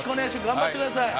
頑張ってください！